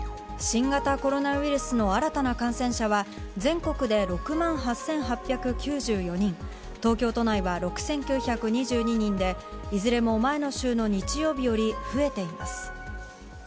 新型コロナウイルスの新たな感染者は、全国で６万８８９４人、東京都内は６９２２人で、いずれも前の週の日曜日より増えています。